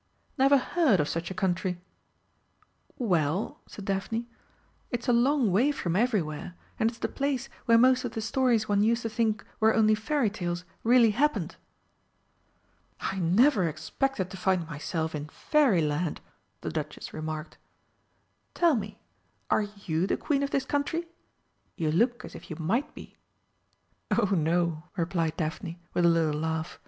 Never heard of such a country!" "Well," said Daphne, "it's a long way from everywhere, and it's the place where most of the stories one used to think were only Fairy Tales really happened." "I never expected to find myself in Fairyland," the Duchess remarked. "Tell me are you the Queen of this country? You look as if you might be." "Oh no," replied Daphne, with a little laugh.